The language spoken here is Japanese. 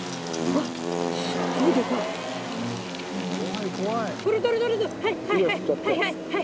はいはいはい。